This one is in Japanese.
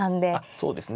そうですね。